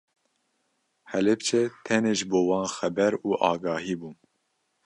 Helepçe tenê ji bo wan xeber û agahî bûn.